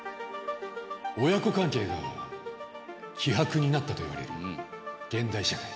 親子関係が希薄になったといわれる現代社会。